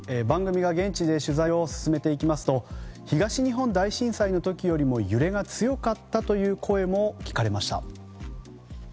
番組が現地で取材を進めていきますと東日本大震災の時よりも揺れが強かったという声も聞かれました。